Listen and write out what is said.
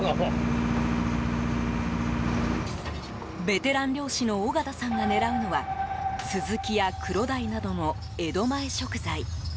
ベテラン漁師の緒形さんが狙うのはスズキやクロダイなどの江戸前食材。